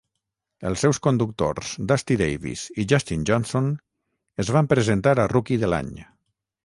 Els seus conductors Dusty Davis i Justin Johnson es van presentar a Rookie de l'Any.